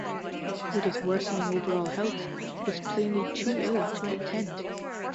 With his worsening overall health, he was plainly too ill to attend.